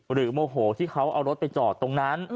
โมโหที่เขาเอารถไปจอดตรงนั้น